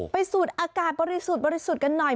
ไปสูดอากาศบริสุทธิ์กันหน่อย